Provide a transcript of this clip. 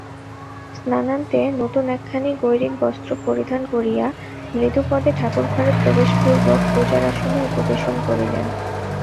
স্নানান্তে নূতন একখানি গৈরিক বস্ত্র পরিধান করিয়া মৃদুপদে ঠাকুরঘরে প্রবেশপূর্বক পূজার আসনে উপবেশন করিলেন।